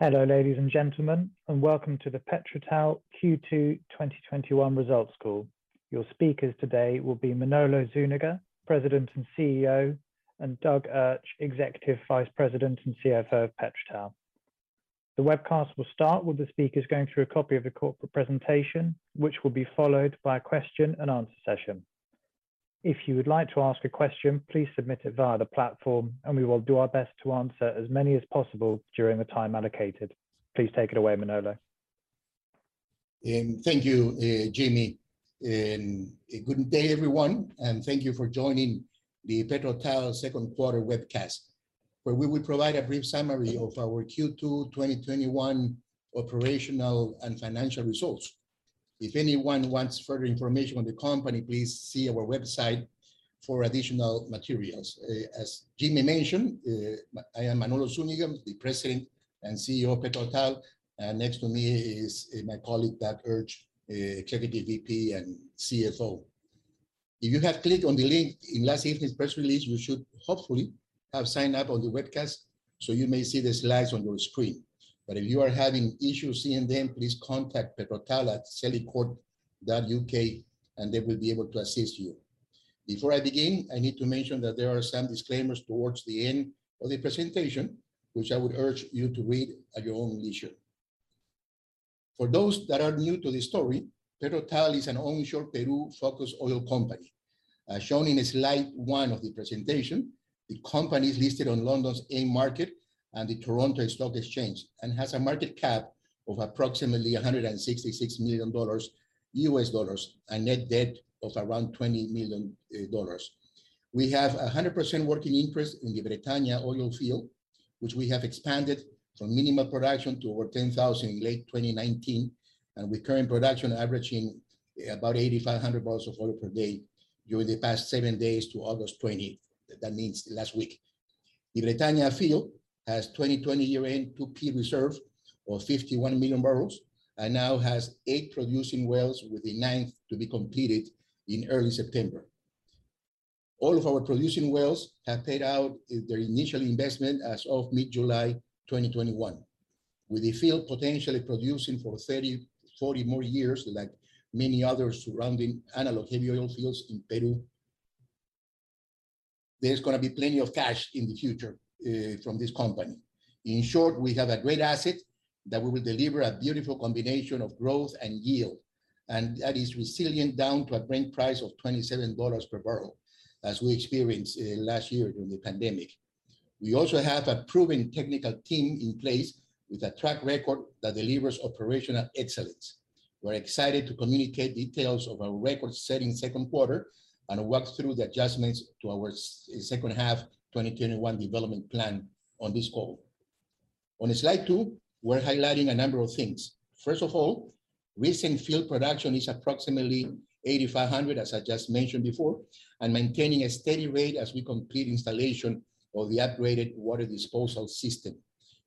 Hello, ladies and gentlemen, and welcome to the PetroTal Q2 2021 Results Call. Your speakers today will be Manolo Zúñiga, President and CEO, and Doug Urch, Executive Vice President and CFO of PetroTal. The webcast will start with the speakers going through a copy of the corporate presentation, which will be followed by a question and answer session. If you would like to ask a question, please submit it via the platform, and we will do our best to answer as many as possible during the time allocated. Please take it away, Manolo. Thank you, Jimmy, good day, everyone, and thank you for joining the PetroTal second quarter webcast, where we will provide a brief summary of our Q2 2021 operational and financial results. If anyone wants further information on the company, please see our website for additional materials. As Jimmy mentioned, I am Manolo Zúñiga, the President and Chief Executive Officer of PetroTal, and next to me is my colleague, Doug Urch, Executive VP and CFO. If you have clicked on the link in last evening's press release, you should hopefully have signed up on the webcast, so you may see the slides on your screen. If you are having issues seeing them, please contact petrotal@celicourt.uk and they will be able to assist you. Before I begin, I need to mention that there are some disclaimers towards the end of the presentation, which I would urge you to read at your own leisure. For those that are new to the story, PetroTal is an onshore Peru-focused oil company. As shown in slide one of the presentation, the company is listed on London's AIM and the Toronto Stock Exchange, has a market cap of approximately $166 million, a net debt of around $20 million. We have 100% working interest in the Bretaña oil field, which we have expanded from minimal production to over 10,000 barrels of oil per day in late 2019, with current production averaging about 8,500 barrels of oil per day of oil during the past seven days to August 20. That means last week. The Bretaña field has 2020 year-end 2P reserves of 51 million barrels, and now has eight producing wells, with the ninth to be completed in early September. All of our producing wells have paid out their initial investment as of mid-July 2021. With the field potentially producing for 30, 40 more years, like many other surrounding analog heavy oil fields in Peru, there's going to be plenty of cash in the future from this company. In short, we have a great asset that will deliver a beautiful combination of growth and yield, and that is resilient down to a Brent price of $27 per barrel, as we experienced last year during the pandemic. We also have a proven technical team in place with a track record that delivers operational excellence. We're excited to communicate details of our record-setting second quarter and work through the adjustments to our second half 2021 development plan on this call. On slide two, we're highlighting a number of things. First of all, recent field production is approximately 8,500 barrels of oil per day, as I just mentioned before, and maintaining a steady rate as we complete installation of the upgraded water disposal system.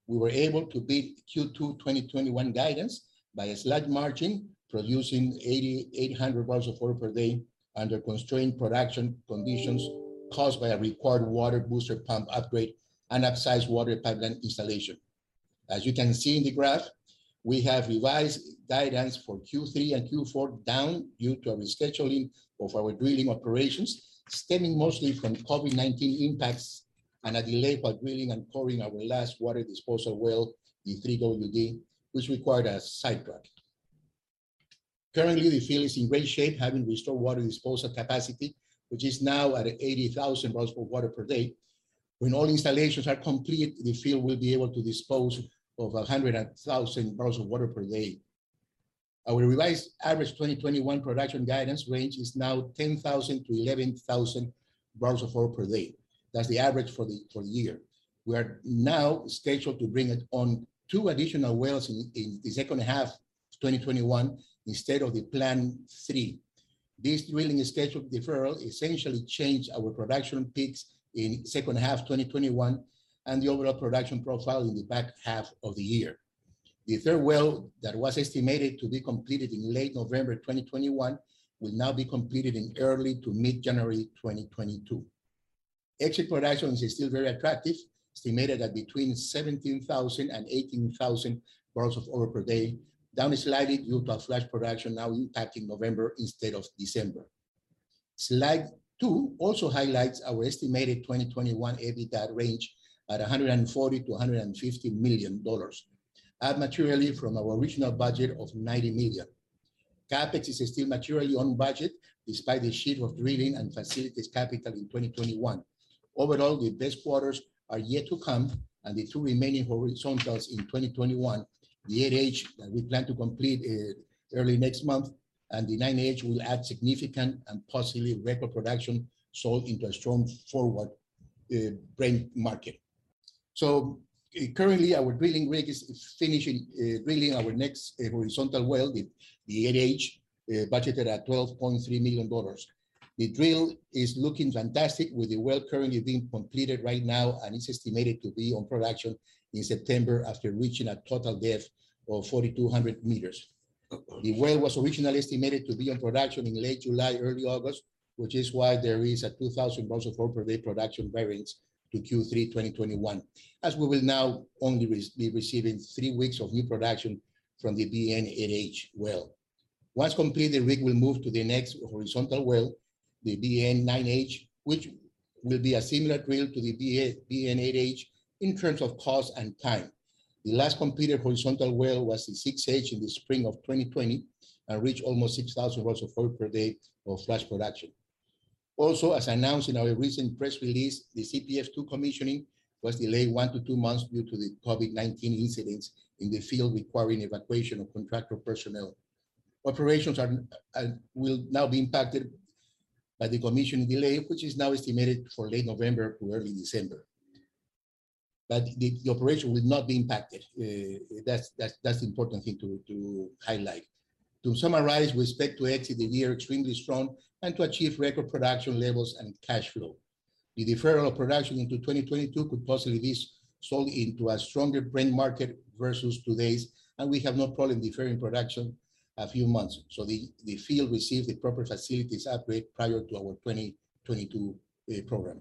We were able to beat Q2 2021 guidance by a slight margin, producing 8,800 barrels of oil per day under constrained production conditions caused by a required water booster pump upgrade and upsized water pipeline installation. As you can see in the graph, we have revised guidance for Q3 and Q4 down due to a rescheduling of our drilling operations, stemming mostly from COVID-19 impacts and a delay by drilling and coring our last water disposal well, the 3WD, which required a sidetrack. Currently, the field is in great shape, having restored water disposal capacity, which is now at 80,000 barrels of water per day. When all installations are complete, the field will be able to dispose of 100,000 barrels of water per day. Our revised average 2021 production guidance range is now 10,000-11,000 barrels of oil per day. That's the average for the year. We are now scheduled to bring it on two additional wells in the second half of 2021 instead of the planned three. This drilling schedule deferral essentially changed our production peaks in second half 2021 and the overall production profile in the back half of the year. The third well that was estimated to be completed in late November 2021 will now be completed in early to mid-January 2022. Exit production is still very attractive, estimated at between 17,000 and 18,000 barrels of oil per day, down slightly due to a flat production now impacting November instead of December. Slide two also highlights our estimated 2021 EBITDA range at $140 million-$150 million, up materially from our original budget of $90 million. CapEx is still materially on budget despite a shift of drilling and facilities capital in 2021. The best quarters are yet to come and the two remaining horizontals in 2021, the 8H that we plan to complete early next month, and the 9H will add significant and possibly record production sold into a strong forward Brent market. Currently, our drilling rig is finishing drilling our next horizontal well, the 8H, budgeted at $12.3 million. The drill is looking fantastic with the well currently being completed right now, and it's estimated to be on production in September after reaching a total depth of 4,200 m. The well was originally estimated to be in production in late July, early August, which is why there is a 2,000 barrels of oil per day production variance to Q3 2021, as we will now only be receiving three weeks of new production from the BN-8H well. Once complete, the rig will move to the next horizontal well, the BN-9H, which will be a similar drill to the BN-8H in terms of cost and time. The last completed horizontal well was the 6H in the spring of 2020 and reached almost 6,000 barrels of oil per day of flush production. Also, as announced in our recent press release, the CPF-2 commissioning was delayed one to two months due to the COVID-19 incidents in the field requiring evacuation of contractor personnel. Operations will now be impacted by the commissioning delay, which is now estimated for late November or early December. The operation will not be impacted. That's the important thing to highlight. To summarize with respect to exit, we are extremely strong and to achieve record production levels and cash flow. The deferral of production into 2022 could possibly be sold into a stronger Brent market versus today's, and we have no problem deferring production a few months so the field receives the proper facilities upgrade prior to our 2022 program.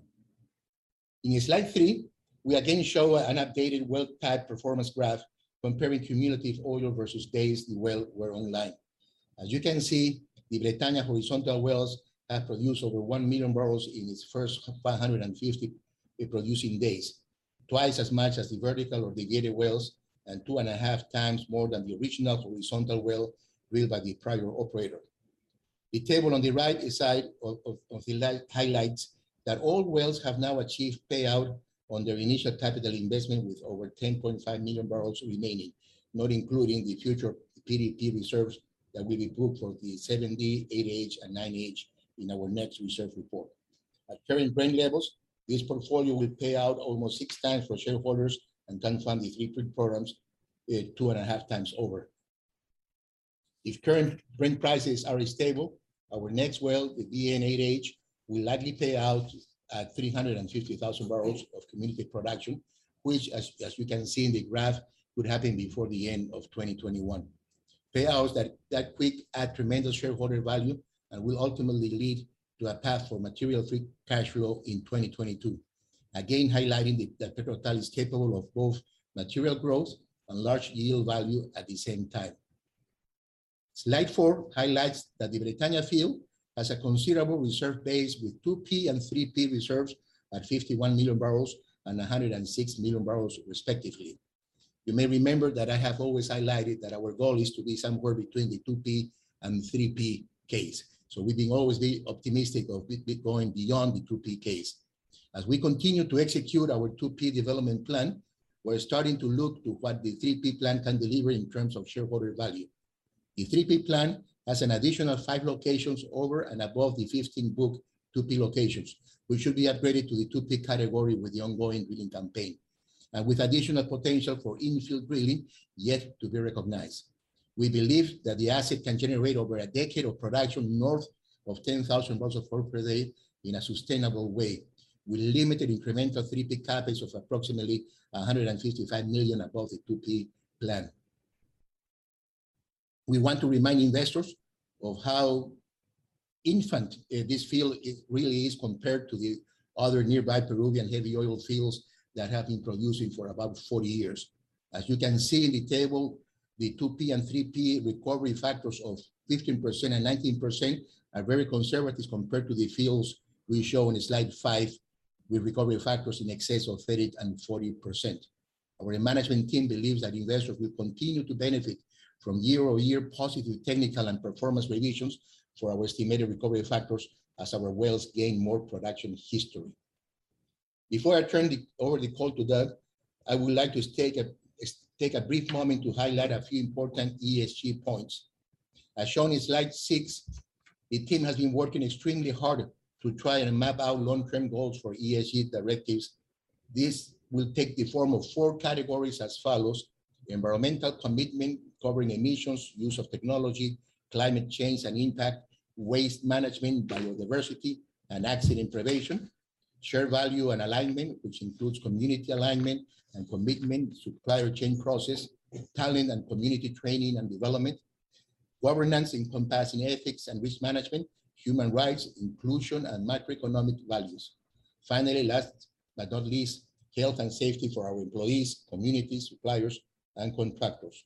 In slide three, we again show an updated well pad performance graph comparing cumulative oil versus days the well were online. As you can see, the Bretaña horizontal wells have produced over 1 million barrels in its first 550 producing days, twice as much as the vertical or the gated wells, and 2.5x more than the original horizontal well drilled by the prior operator. The table on the right side highlights that all wells have now achieved payout on their initial capital investment, with over 10.5 million barrels remaining, not including the future PDP reserves that will be booked for the 7D, 8H, and 9H in our next reserve report. At current Brent levels, this portfolio will pay out almost 6x for shareholders and can fund the 3P programs 2.5x over. If current Brent prices are stable, our next well, the BN-8H, will likely pay out at 350,000 barrels of cumulative production, which, as we can see in the graph, could happen before the end of 2021. Payouts that quick add tremendous shareholder value and will ultimately lead to a path for material free cash flow in 2022. Highlighting that PetroTal is capable of both material growth and large yield value at the same time. Slide four highlights that the Bretaña field has a considerable reserve base, with 2P and 3P reserves at 51 million barrels and 106 million barrels respectively. You may remember that I have always highlighted that our goal is to be somewhere between the 2P and 3P case. We've been always optimistic of it going beyond the 2P case. As we continue to execute our 2P development plan, we're starting to look to what the 3P plan can deliver in terms of shareholder value. The 3P plan has an additional five locations over and above the 15 booked 2P locations, which should be upgraded to the 2P category with the ongoing drilling campaign, and with additional potential for infill drilling yet to be recognized. We believe that the asset can generate over a decade of production north of 10,000 barrels of oil per day in a sustainable way, with limited incremental 3P CapEx of approximately $155 million above the 2P plan. We want to remind investors of how infant this field really is compared to the other nearby Peruvian heavy oil fields that have been producing for about 40 years. As you can see in the table, the 2P and 3P recovery factors of 15% and 19% are very conservative compared to the fields we show in slide five, with recovery factors in excess of 30% and 40%. Our management team believes that investors will continue to benefit from year-over-year positive technical and performance revisions for our estimated recovery factors as our wells gain more production history. Before I turn over the call to Doug, I would like to take a brief moment to highlight a few important ESG points. As shown in slide six, the team has been working extremely hard to try and map out long-term goals for ESG directives. This will take the form of four categories as follows, environmental commitment, covering emissions, use of technology, climate change, and impact, waste management, biodiversity, and accident prevention. Shared value and alignment, which includes community alignment and commitment, supplier chain process, talent, and community training and development. Governance, encompassing ethics and risk management, human rights, inclusion, and macroeconomic values. Finally, last but not least, health and safety for our employees, communities, suppliers, and contractors.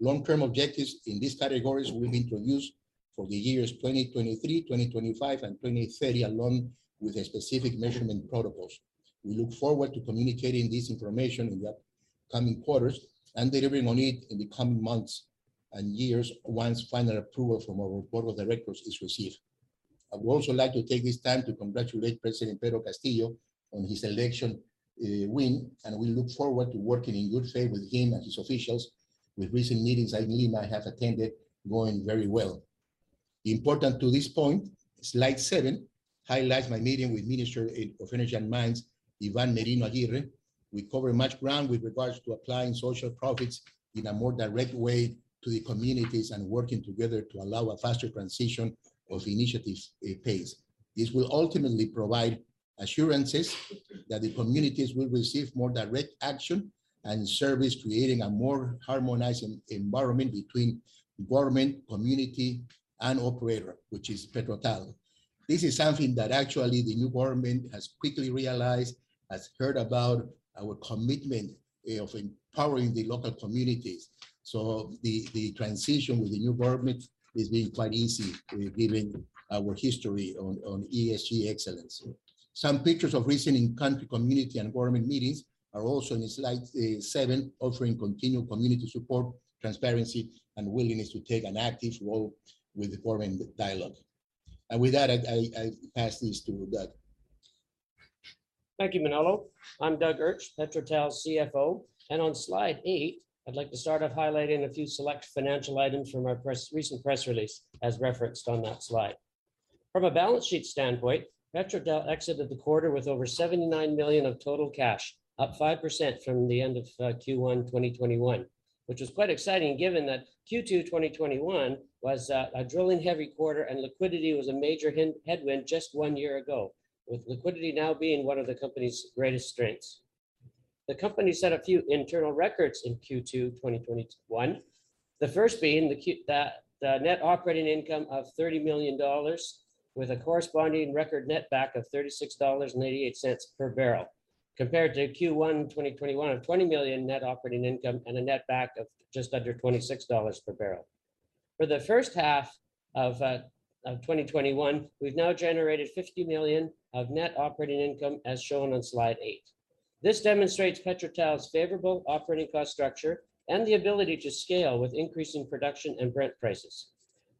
Long-term objectives in these categories will be introduced for the years 2023, 2025, and 2030, along with the specific measurement protocols. We look forward to communicating this information in the coming quarters and delivering on it in the coming months and years once final approval from our board of directors is received. I would also like to take this time to congratulate President Pedro Castillo on his election win, and we look forward to working in good faith with him and his officials, with recent meetings I and Liam have attended going very well. Important to this point, slide seven highlights my meeting with Minister of Energy and Mines, Iván Merino Aguirre. We covered much ground with regards to applying social profits in a more direct way to the communities and working together to allow a faster transition of initiatives pace. This will ultimately provide assurances that the communities will receive more direct action and service, creating a more harmonized environment between government, community, and operator, which is PetroTal. This is something that actually the new government has quickly realized, has heard about our commitment of empowering the local communities. The transition with the new government has been quite easy, given our history on ESG excellence. Some pictures of recent in-country community and government meetings are also in slide seven, offering continued community support, transparency, and willingness to take an active role with the government dialogue. With that, I pass this to Doug. Thank you, Manolo. I'm Doug Urch, PetroTal's CFO, and on slide eight, I'd like to start off highlighting a few select financial items from our recent press release, as referenced on that slide. From a balance sheet standpoint, PetroTal exited the quarter with over $79 million of total cash, up 5% from the end of Q1 2021, which was quite exciting given that Q2 2021 was a drilling-heavy quarter and liquidity was a major headwind just one year ago, with liquidity now being one of the company's greatest strengths. The company set a few internal records in Q2 2021, the first being the net operating income of $30 million with a corresponding record netback of $36.88 per barrel, compared to Q1 2021 of $20 million net operating income and a netback of just under $26 per barrel. For the first half of 2021, we've now generated $50 million of net operating income, as shown on slide eight. This demonstrates PetroTal's favorable operating cost structure and the ability to scale with increasing production and Brent prices.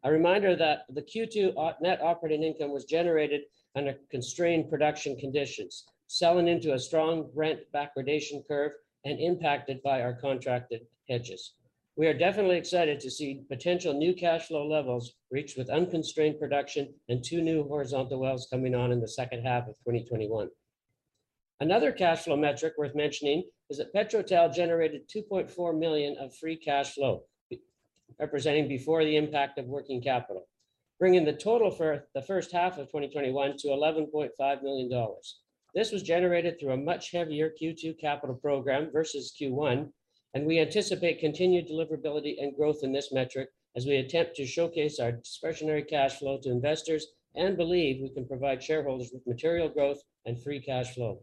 A reminder that the Q2 net operating income was generated under constrained production conditions, selling into a strong Brent backwardation curve and impacted by our contracted hedges. We are definitely excited to see potential new cash flow levels reached with unconstrained production and two new horizontal wells coming on in the second half of 2021. Another cash flow metric worth mentioning is that PetroTal generated $2.4 million of free cash flow, representing before the impact of working capital, bringing the total for the first half of 2021 to $11.5 million. This was generated through a much heavier Q2 capital program versus Q1, and we anticipate continued deliverability and growth in this metric as we attempt to showcase our discretionary cash flow to investors and believe we can provide shareholders with material growth and free cash flow.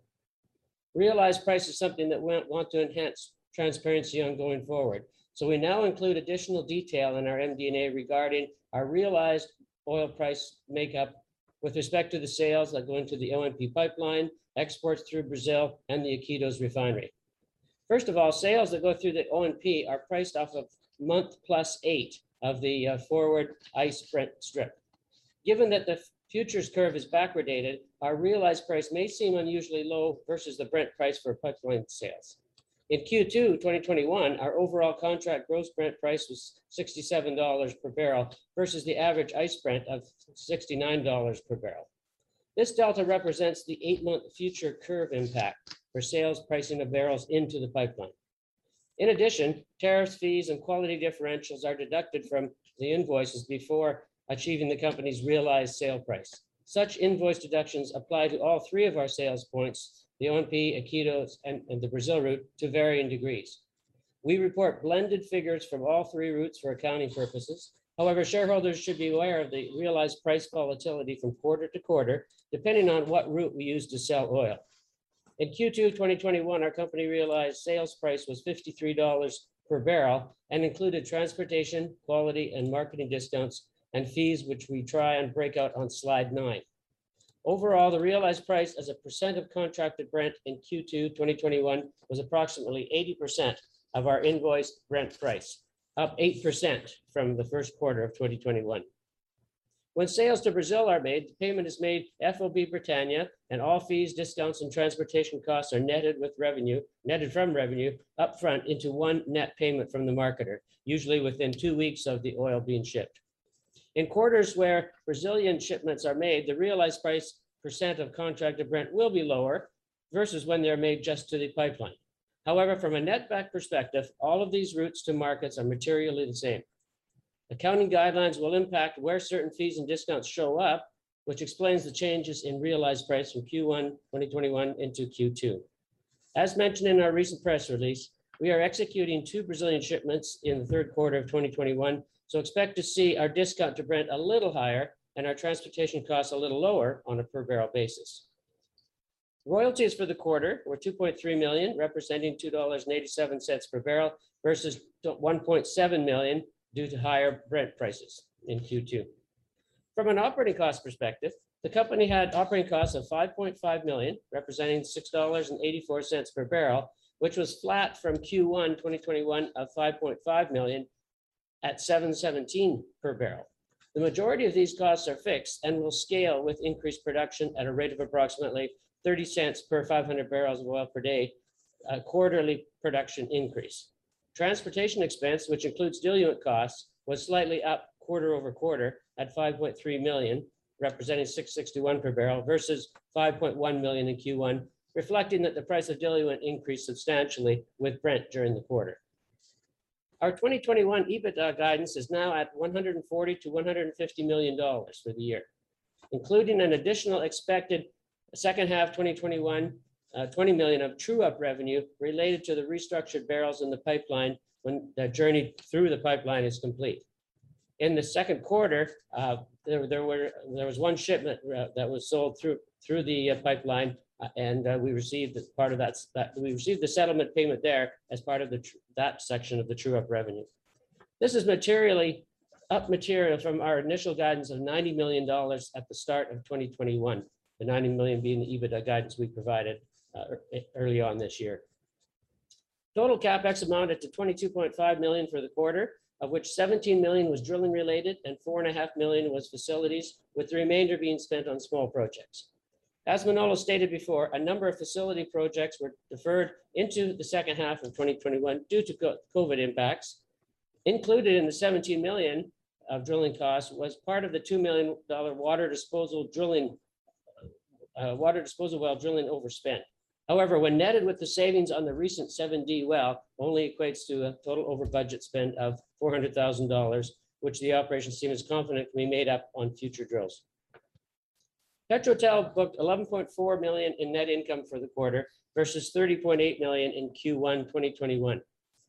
Realized price is something that we want to enhance transparency on going forward. We now include additional detail in our MD&A regarding our realized oil price makeup with respect to the sales that go into the ONP pipeline, exports through Brazil, and the Iquitos refinery. First of all, sales that go through the ONP are priced off of month + 8 of the forward ICE Brent strip. Given that the futures curve is backwardated, our realized price may seem unusually low versus the Brent price for pipeline sales. In Q2 2021, our overall contract gross Brent price was $67 per barrel versus the average ICE Brent of $69 per barrel. This delta represents the eight-month future curve impact for sales pricing of barrels into the pipeline. In addition, tariffs, fees, and quality differentials are deducted from the invoices before achieving the company's realized sale price. Such invoice deductions apply to all three of our sales points, the ONP, Iquitos, and the Brazil route, to varying degrees. We report blended figures from all three routes for accounting purposes. However, shareholders should be aware of the realized price volatility from quarter to quarter, depending on what route we use to sell oil. In Q2 2021, our company realized sales price was $53 per barrel and included transportation, quality, and marketing discounts and fees, which we try and break out on slide nine. Overall, the realized price as a percent of contracted Brent in Q2 2021 was approximately 80% of our invoiced Brent price, up 8% from the first quarter of 2021. When sales to Brazil are made, the payment is made FOB Bretaña, and all fees, discounts, and transportation costs are netted from revenue up front into one net payment from the marketer, usually within two weeks of the oil being shipped. In quarters where Brazilian shipments are made, the realized price percent of contracted Brent will be lower versus when they're made just to the pipeline. However, from a netback perspective, all of these routes to markets are materially the same. Accounting guidelines will impact where certain fees and discounts show up, which explains the changes in realized price from Q1 2021 into Q2. As mentioned in our recent press release, we are executing two Brazilian shipments in the third quarter of 2021, expect to see our discount to Brent a little higher and our transportation costs a little lower on a per barrel basis. Royalties for the quarter were $2.3 million, representing $2.87 per barrel versus $1.7 million due to higher Brent prices in Q2. From an operating cost perspective, the company had operating costs of $5.5 million, representing $6.84 per barrel, which was flat from Q1 2021 of $5.5 million at $7.17 per barrel. The majority of these costs are fixed and will scale with increased production at a rate of approximately $0.30 per 500 barrels of oil per day, quarterly production increase. Transportation expense, which includes diluent costs, was slightly up quarter-over-quarter at $5.3 million, representing $6.61 per barrel versus $5.1 million in Q1, reflecting that the price of diluent increased substantially with Brent during the quarter. Our 2021 EBITDA guidance is now at $140 million-$150 million for the year, including an additional expected second half 2021, $20 million of true-up revenue related to the restructured barrels in the pipeline when that journey through the pipeline is complete. In the second quarter, there was one shipment that was sold through the pipeline and we received the settlement payment there as part of that section of the true-up revenue. This is materially up material from our initial guidance of $90 million at the start of 2021. The $90 million being the EBITDA guidance we provided early on this year. Total CapEx amounted to $22.5 million for the quarter, of which $17 million was drilling-related and $4.5 million was facilities, with the remainder being spent on small projects. As Manolo stated before, a number of facility projects were deferred into the second half of 2021 due to COVID impacts. Included in the $17 million of drilling costs was part of the $2 million water disposal well drilling overspend. When netted with the savings on the recent 7D well, only equates to a total over budget spend of $400,000, which the operations team is confident can be made up on future drills. PetroTal booked $11.4 million in net income for the quarter versus $30.8 million in Q1 2021.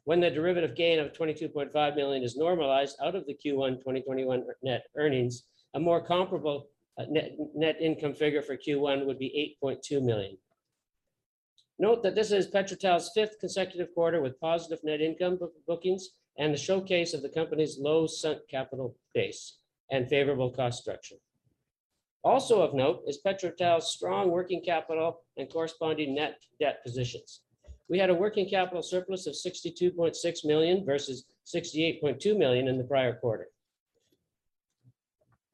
When the derivative gain of $22.5 million is normalized out of the Q1 2021 net earnings, a more comparable net income figure for Q1 would be $8.2 million. Note that this is PetroTal's fifth consecutive quarter with positive net income bookings and the showcase of the company's low sunk capital base and favorable cost structure. Also of note is PetroTal's strong working capital and corresponding net debt positions. We had a working capital surplus of $62.6 million versus $68.2 million in the prior quarter.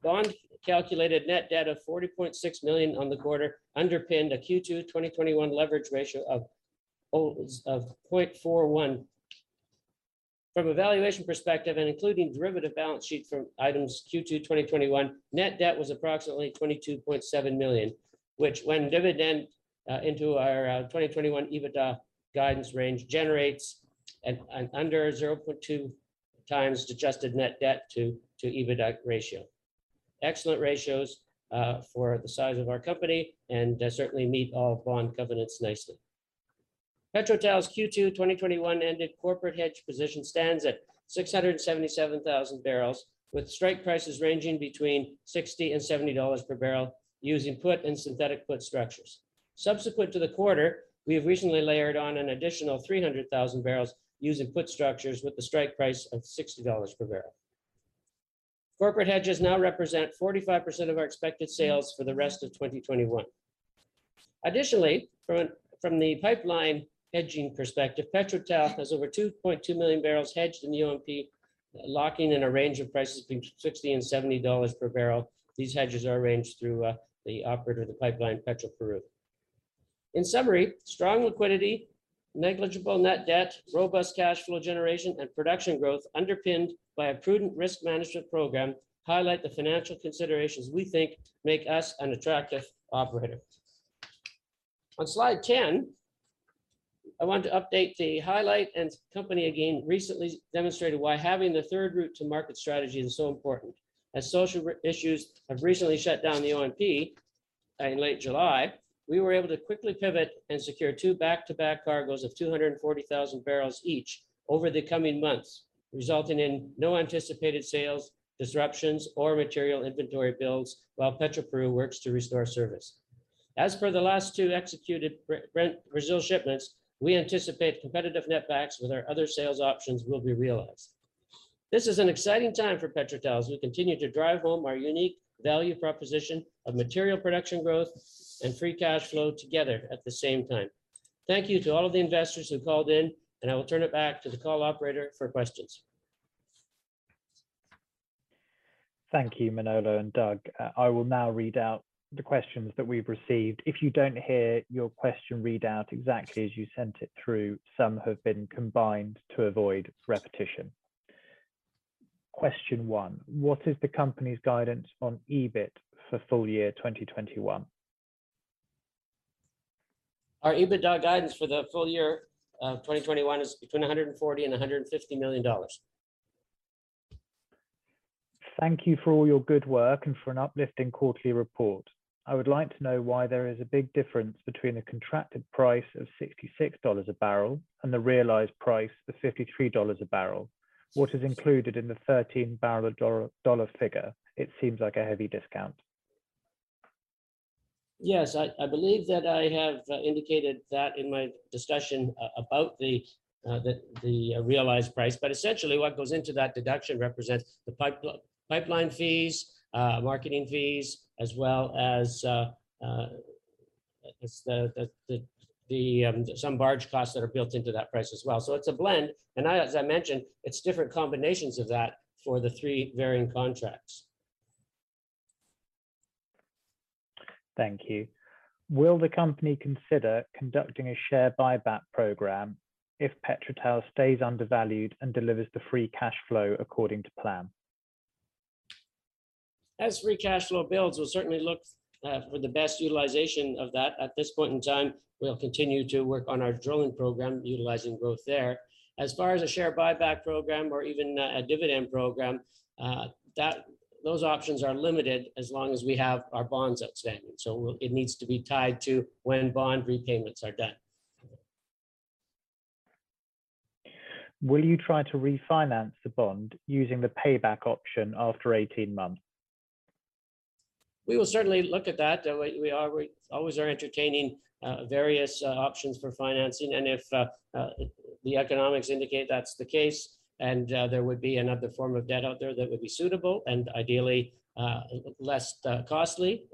Bond calculated net debt of $40.6 million on the quarter underpinned a Q2 2021 leverage ratio of 0.41. From a valuation perspective and including derivative balance sheet from items Q2 2021, net debt was approximately $22.7 million, which when divvied in into our 2021 EBITDA guidance range generates an under 0.2x adjusted net debt to EBITDA ratio. Excellent ratios for the size of our company and certainly meet all bond covenants nicely. PetroTal's Q2 2021-ended corporate hedge position stands at 677,000 barrels, with strike prices ranging between $60 and $70 per barrel using put and synthetic put structures. Subsequent to the quarter, we have recently layered on an additional 300,000 barrels using put structures with the strike price of $60 per barrel. Corporate hedges now represent 45% of our expected sales for the rest of 2021. Additionally, from the pipeline hedging perspective, PetroTal has over 2.2 million barrels hedged in the ONP, locking in a range of prices between $60 and $70 per barrel. These hedges are arranged through the operator of the pipeline, Petroperú. In summary, strong liquidity, negligible net debt, robust cash flow generation, and production growth underpinned by a prudent risk management program highlight the financial considerations we think make us an attractive operator. On slide 10, I want to update the highlight. The company again recently demonstrated why having the third route to market strategy is so important. As social issues have recently shut down the ONP in late July, we were able to quickly pivot and secure two back-to-back cargoes of 240,000 barrels each over the coming months, resulting in no anticipated sales disruptions or material inventory builds while Petroperú works to restore service. As for the last two executed Brazil shipments, we anticipate competitive netbacks with our other sales options will be realized. This is an exciting time for PetroTal as we continue to drive home our unique value proposition of material production growth and free cash flow together at the same time. Thank you to all of the investors who called in, I will turn it back to the call operator for questions. Thank you, Manolo and Doug. I will now read out the questions that we've received. If you don't hear your question read out exactly as you sent it through, some have been combined to avoid repetition. Question one. What is the company's guidance on EBIT for full year 2021? Our EBITDA guidance for the full year of 2021 is between $140 million and $150 million. Thank you for all your good work and for an uplifting quarterly report. I would like to know why there is a big difference between the contracted price of $66 a barrel and the realized price of $53 a barrel. What is included in the $13 barrel dollar figure? It seems like a heavy discount. Yes. I believe that I have indicated that in my discussion about the realized price. Essentially what goes into that deduction represents the pipeline fees, marketing fees, as well as some barge costs that are built into that price as well. It's a blend, and as I mentioned, it's different combinations of that for the three varying contracts. Thank you. Will the company consider conducting a share buyback program if PetroTal stays undervalued and delivers the free cash flow according to plan? As free cash flow builds, we'll certainly look for the best utilization of that. At this point in time, we'll continue to work on our drilling program, utilizing growth there. As far as a share buyback program or even a dividend program, those options are limited as long as we have our bonds outstanding. It needs to be tied to when bond repayments are due. Will you try to refinance the bond using the payback option after 18 months? We will certainly look at that. We always are entertaining various options for financing, and if the economics indicate that's the case and there would be another form of debt out there that would be suitable and ideally less costly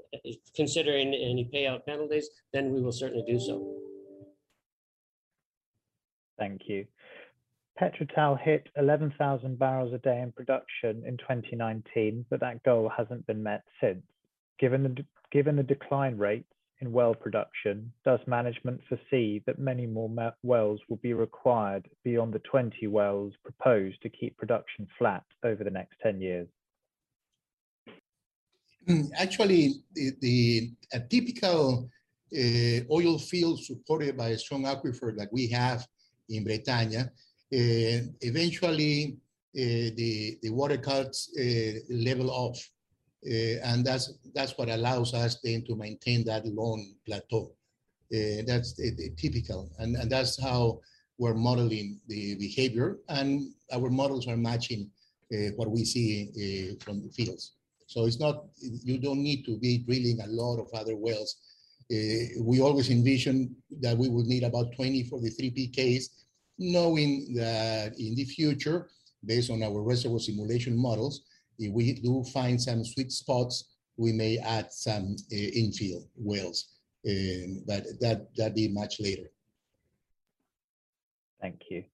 considering any payout penalties, then we will certainly do so. Thank you. PetroTal hit 11,000 barrels a day in production in 2019, that goal hasn't been met since. Given the decline rates in well production, does management foresee that many more wells will be required beyond the 20 wells proposed to keep production flat over the next 10 years? A typical oil field supported by a strong aquifer like we have in Bretaña, eventually the water cuts level off, and that's what allows us then to maintain that long plateau. That's typical, and that's how we're modeling the behavior, and our models are matching what we see from the fields. You don't need to be drilling a lot of other wells. We always envisioned that we would need about 20 for the 3P case, knowing that in the future, based on our reservoir simulation models, if we do find some sweet spots, we may add some infill wells. That'd be much later. Thank you.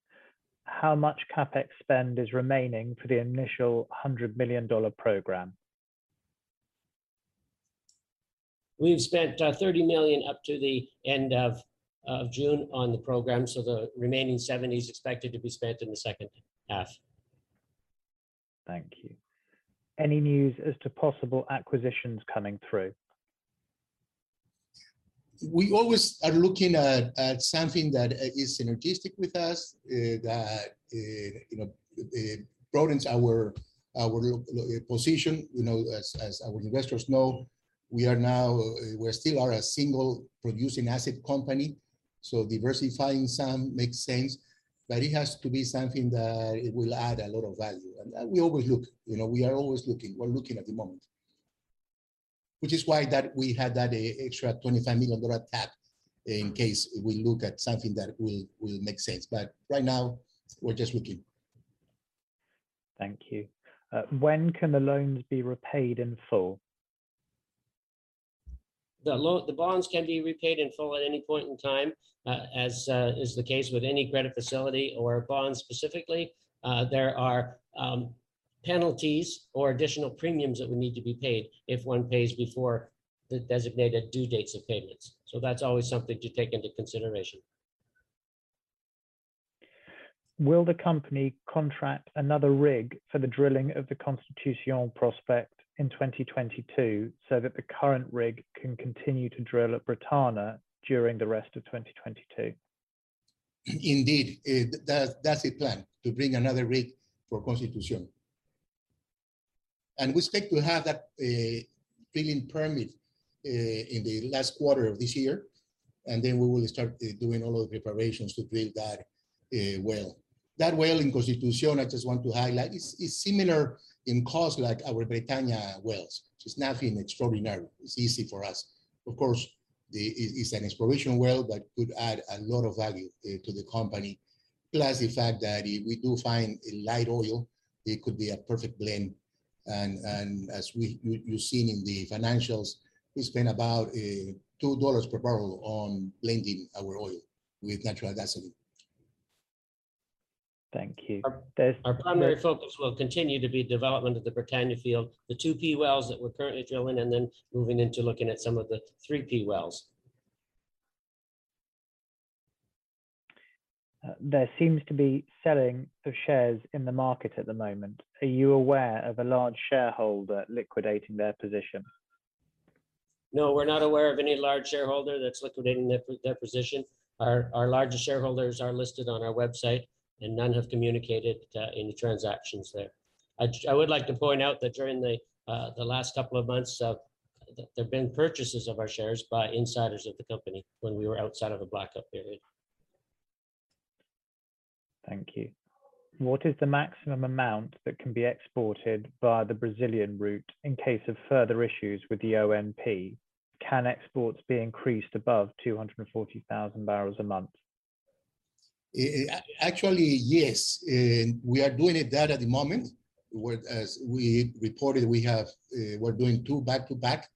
How much CapEx spend is remaining for the initial $100 million program? We've spent $30 million up to the end of June on the program, so the remaining $70 is expected to be spent in the second half. Thank you. Any news as to possible acquisitions coming through? We always are looking at something that is synergistic with us, that broadens our position. As our investors know, we still are a single producing asset company, so diversifying some makes sense, but it has to be something that it will add a lot of value. We always look. We are always looking. We're looking at the moment, which is why we had that extra $25 million tab in case we look at something that will make sense. Right now, we're just looking. Thank you. When can the loans be repaid in full? The bonds can be repaid in full at any point in time, as is the case with any credit facility or bond specifically. There are penalties or additional premiums that would need to be paid if one pays before the designated due dates of payments. That's always something to take into consideration. Will the company contract another rig for the drilling of the Constitución prospect in 2022 so that the current rig can continue to drill at Bretaña during the rest of 2022? Indeed. That's the plan, to bring another rig for Constitución. We expect to have that drilling permit in the last quarter of this year. We will start doing all of the preparations to drill that well. That well in Constitución, I just want to highlight, is similar in cost like our Bretaña wells. It's nothing extraordinary. It's easy for us. Of course, it's an exploration well that could add a lot of value to the company. Plus the fact that if we do find light oil, it could be a perfect blend. As you've seen in the financials, we spend about $2 per barrel on blending our oil with natural gasoline. Thank you. Our primary focus will continue to be development of the Bretaña field, the 2P wells that we're currently drilling, and then moving into looking at some of the 3P wells. There seems to be selling of shares in the market at the moment. Are you aware of a large shareholder liquidating their position? No, we're not aware of any large shareholder that's liquidating their position. Our largest shareholders are listed on our website, and none have communicated any transactions there. I would like to point out that during the last couple of months, there have been purchases of our shares by insiders of the company when we were outside of a blackout period. Thank you. What is the maximum amount that can be exported via the Brazilian route in case of further issues with the ONP? Can exports be increased above 240,000 barrels a month? Actually, yes. We are doing that at the moment. As we reported, we're doing two back to back,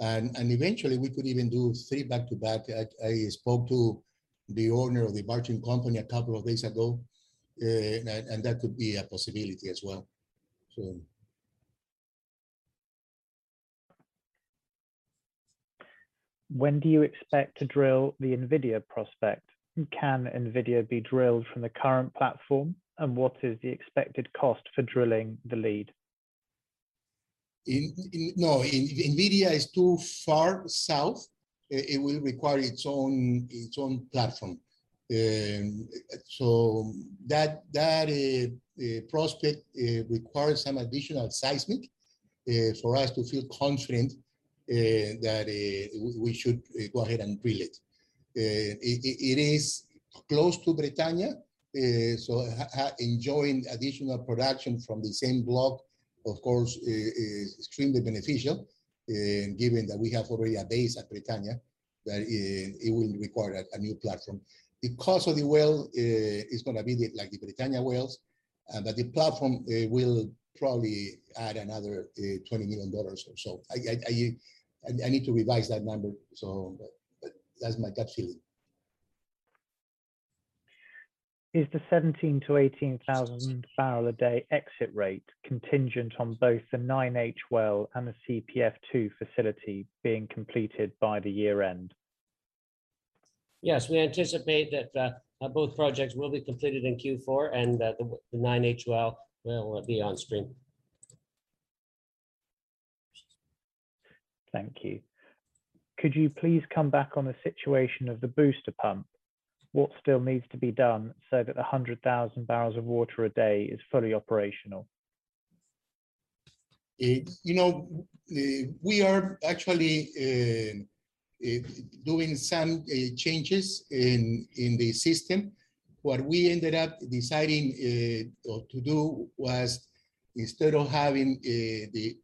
and eventually we could even do three back to back. I spoke to the owner of the barging company a couple of days ago, and that could be a possibility as well. When do you expect to drill the [Invidia] prospect? Can [Invidia] be drilled from the current platform, and what is the expected cost for drilling the lead? No. [Invidia] is too far south. It will require its own platform. That prospect requires some additional seismic for us to feel confident that we should go ahead and drill it. It is close to Bretaña, so enjoying additional production from the same block, of course, is extremely beneficial. Given that we have already a base at Bretaña, that it will require a new platform. The cost of the well is going to be like the Bretaña wells, but the platform will probably add another $20 million or so. I need to revise that number, but that's my gut feeling. Is the 17,000-18,000 barrel a day exit rate contingent on both the 9H well and the CPF-2 facility being completed by the year-end? Yes, we anticipate that both projects will be completed in Q4, and that the 9H well will be on stream. Thank you. Could you please come back on the situation of the booster pump? What still needs to be done so that the 100,000 barrels of water a day is fully operational? We are actually doing some changes in the system. What we ended up deciding to do was instead of having the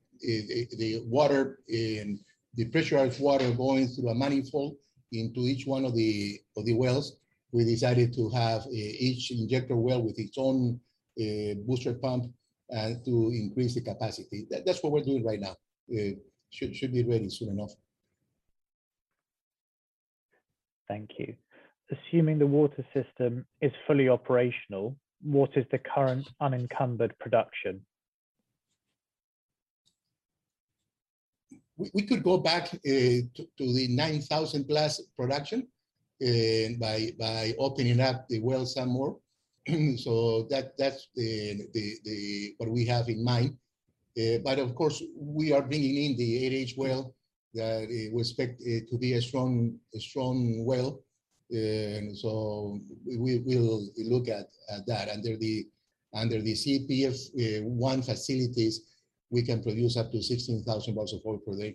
pressurized water going through a manifold into each one of the wells, we decided to have each injector well with its own booster pump to increase the capacity. That's what we're doing right now. Should be ready soon enough. Thank you. Assuming the water system is fully operational, what is the current unencumbered production? We could go back to the 9,000+ production by opening up the well some more. That's what we have in mind. Of course, we are bringing in the 8H well, that we expect it to be a strong well. We'll look at that. Under the CPF-1 facilities, we can produce up to 16,000 barrels of oil per day.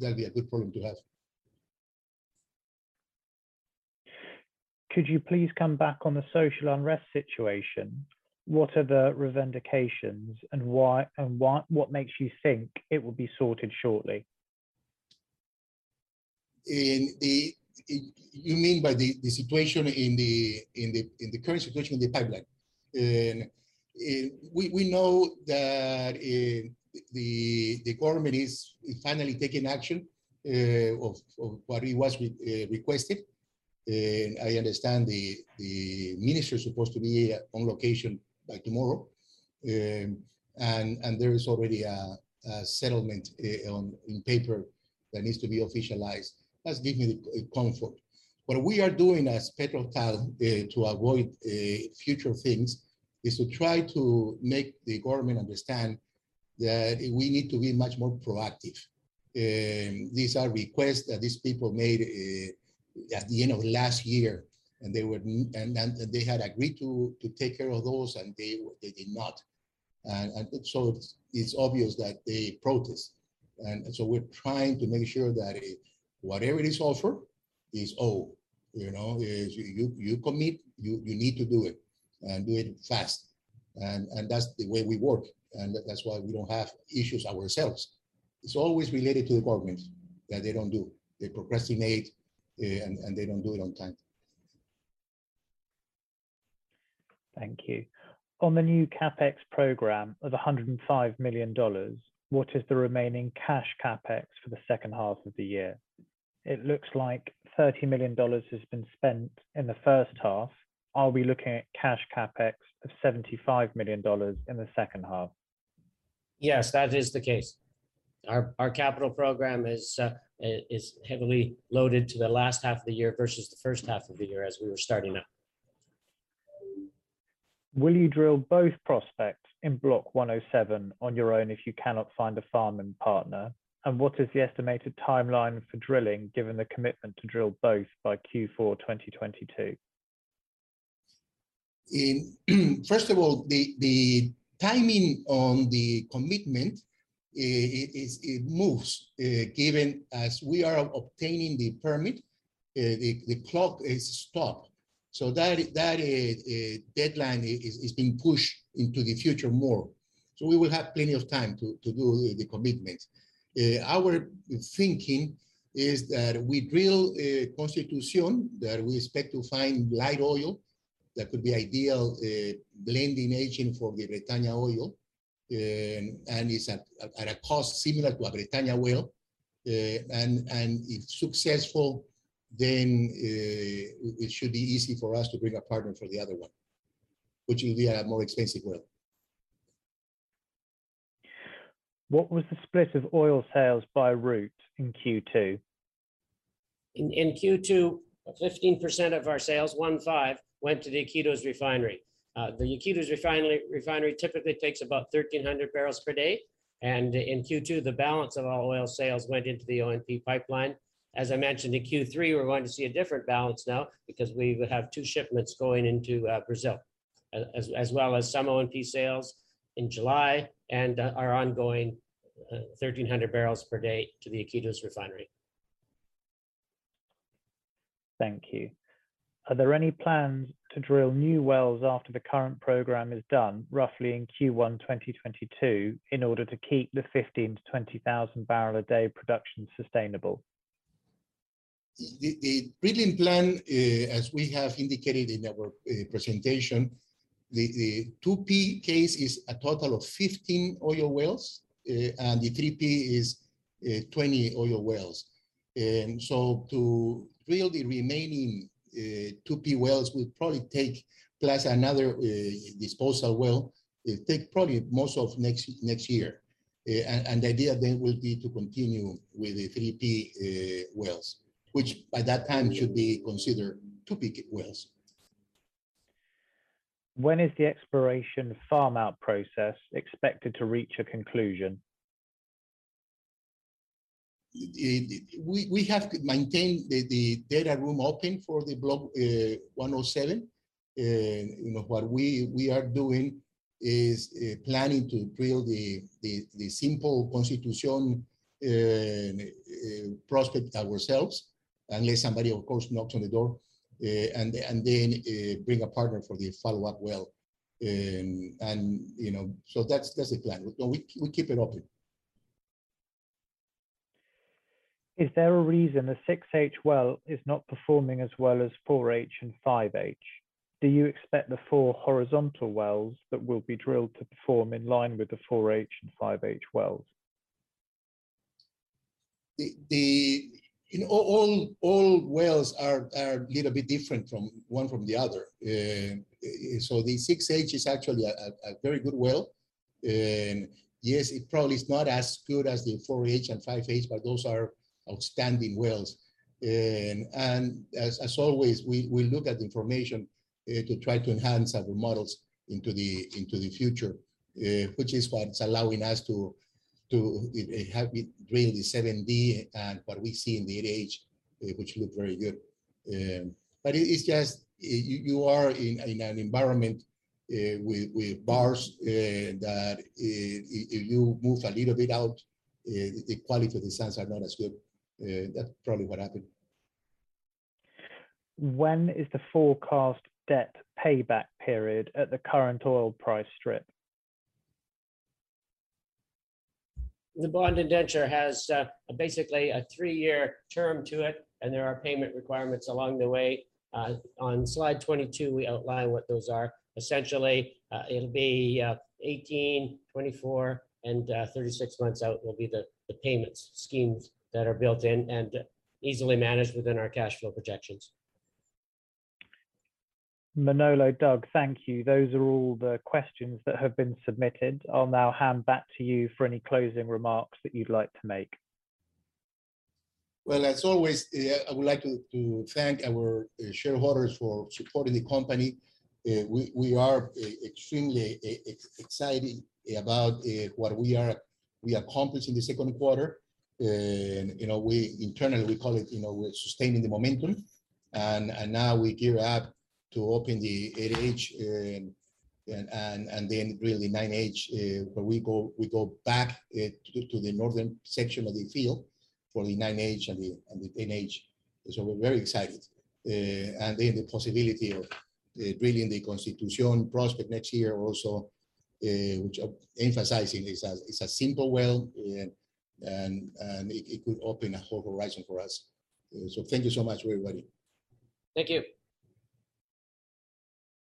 That'd be a good problem to have. Could you please come back on the social unrest situation? What are the revendications, and what makes you think it will be sorted shortly? You mean by the current situation in the pipeline? We know that the government is finally taking action of what it was requested. I understand the Minister is supposed to be on location by tomorrow. There is already a settlement in paper that needs to be officialized. That's giving me comfort. What we are doing as PetroTal to avoid future things is to try to make the government understand that we need to be much more proactive. These are requests that these people made at the end of last year, they had agreed to take care of those, and they did not. It's obvious that they protest. We're trying to make sure that whatever is offered is owed. You commit, you need to do it, and do it fast. That's the way we work. That's why we don't have issues ourselves. It's always related to the government that they don't do. They procrastinate, and they don't do it on time. Thank you. On the new CapEx program of $105 million, what is the remaining cash CapEx for the second half of the year? It looks like $30 million has been spent in the first half. Are we looking at cash CapEx of $75 million in the second half? Yes, that is the case. Our capital program is heavily loaded to the last half of the year versus the first half of the year as we were starting up. Will you drill both prospects in Block 107 on your own if you cannot find a farming partner? What is the estimated timeline for drilling, given the commitment to drill both by Q4 2022? The timing on the commitment, it moves. Given as we are obtaining the permit, the clock is stopped. That deadline is being pushed into the future more. We will have plenty of time to do the commitments. Our thinking is that we drill Constitución, that we expect to find light oil that could be ideal blending agent for the Bretaña oil. It's at a cost similar to a Bretaña well. If successful, then it should be easy for us to bring a partner for the other one, which we have more expensive well. What was the split of oil sales by route in Q2? In Q2, 15% of our sales, one five, went to the Iquitos refinery. The Iquitos refinery typically takes about 1,300 barrels per day, and in Q2, the balance of all oil sales went into the ONP pipeline. As I mentioned, in Q3, we're going to see a different balance now because we have two shipments going into Brazil. As well as some ONP sales in July and our ongoing 1,300 barrels per day to the Iquitos refinery. Thank you. Are there any plans to drill new wells after the current program is done, roughly in Q1 2022, in order to keep the 15,000-20,000 barrel a day production sustainable? The drilling plan, as we have indicated in our presentation, the 2P case is a total of 15 oil wells, and the 3P is 20 oil wells. To drill the remaining 2P wells will probably take, plus another disposal well, it take probably most of next year. The idea then will be to continue with the 3P wells, which by that time should be considered 2P wells. When is the exploration farm-out process expected to reach a conclusion? We have maintained the data room open for the Block 107. What we are doing is planning to drill the simple Constitución prospect ourselves, unless somebody, of course, knocks on the door, and then bring a partner for the follow-up well. That's the plan. We keep it open. Is there a reason the 6H well is not performing as well as 4H and 5H? Do you expect the four horizontal wells that will be drilled to perform in line with the 4H and 5H wells? All wells are little bit different from one from the other. The 6H is actually a very good well. Yes, it probably is not as good as the 4H and 5H, but those are outstanding wells. As always, we look at the information to try to enhance our models into the future, which is what's allowing us to have it drill the 7D and what we see in the 8H, which look very good. It's just you are in an environment with bars that you move a little bit out, the quality of the sands are not as good. That's probably what happened. When is the forecast debt payback period at the current oil price strip? The bond indenture has basically a three-year term to it. There are payment requirements along the way. On slide 22, we outline what those are. Essentially, it'll be 18, 24, and 36 months out will be the payments schemes that are built in and easily managed within our cash flow projections. Manolo, Doug, thank you. Those are all the questions that have been submitted. I'll now hand back to you for any closing remarks that you'd like to make. Well, as always, I would like to thank our shareholders for supporting the company. We are extremely excited about what we accomplished in the second quarter. Internally, we call it we're sustaining the momentum. Now we gear up to open the 8H and then drill the 9H, where we go back to the northern section of the field for the 9H and the 10H. We're very excited. The possibility of drilling the Constitución prospect next year also, which I'm emphasizing is a simple well, and it could open a whole horizon for us. Thank you so much, everybody. Thank you.